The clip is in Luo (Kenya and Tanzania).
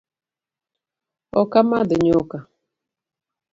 Ok amadh nyuka